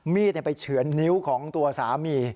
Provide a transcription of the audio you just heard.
มีดไปเฉือนนิ้วของตัวสามี